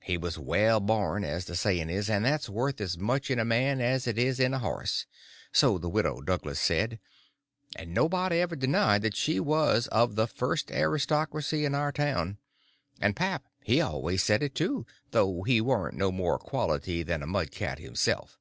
He was well born, as the saying is, and that's worth as much in a man as it is in a horse, so the Widow Douglas said, and nobody ever denied that she was of the first aristocracy in our town; and pap he always said it, too, though he warn't no more quality than a mudcat himself.